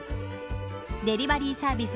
デリバリーサービス